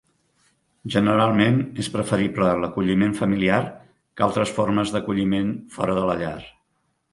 Generalment és preferible l'acolliment familiar que altres formes d'acolliment fora de la llar.